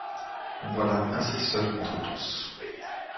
Nous voilà ainsi seuls contre tous.